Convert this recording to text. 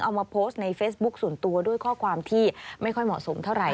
เอามาโพสต์ในเฟซบุ๊คส่วนตัวด้วยข้อความที่ไม่ค่อยเหมาะสมเท่าไหร